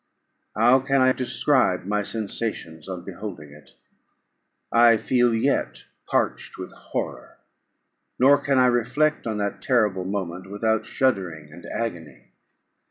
How can I describe my sensations on beholding it? I feel yet parched with horror, nor can I reflect on that terrible moment without shuddering and agony.